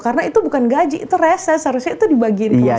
karena itu bukan gaji itu reses harusnya itu dibagiin ke masyarakat